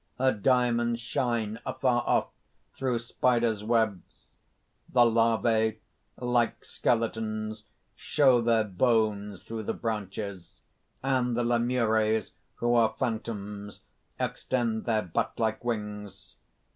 Her diamonds shine afar off through spiders' webs. The Larvæ, like skeletons, show their bones through the branches; and the Lemures, who are phantoms, extend their bat like wings.